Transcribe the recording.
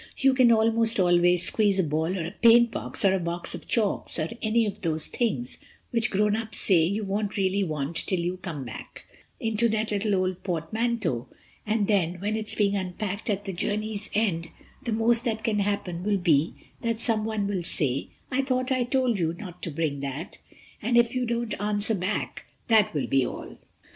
You can almost always squeeze a ball or a paint box or a box of chalks or any of those things—which grown ups say you won't really want till you come back—into that old portmanteau—and then when it's being unpacked at the journey's end the most that can happen will be that someone will say, "I thought I told you not to bring that," and if you don't answer back, that will be all.